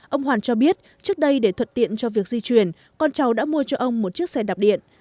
ông hoàn cho biết trước đây để thuận tiện cho việc di chuyển con cháu đã mua cho ông một chiếc xe đạp điện